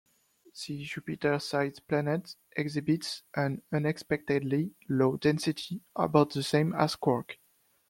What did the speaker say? The Jupiter-sized planet exhibits an unexpectedly low density, about the same as cork.